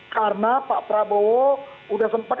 karena pak prabowo sudah sempat